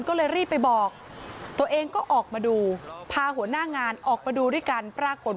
ก็เลยรีบไปบอกตัวเองก็ออกมาดูพาหัวหน้างานออกมาดูด้วยกันปรากฏ